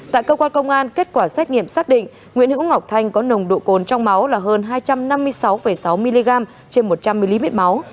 tại cơ quan công an kết quả xét nghiệm xác định nguyễn hữu ngọc thanh có nồng độ cồn trong máu là hơn hai trăm năm mươi sáu sáu mg trên một trăm linh mm máu